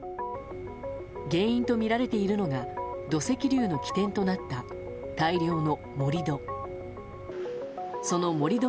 原因とみられているのが土石流の起点となった大量の盛り土。